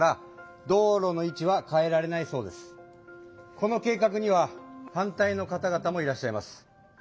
この計画には反対のかたがたもいらっしゃいます。